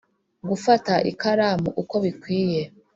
-gufata ikaramu uko bikwiye;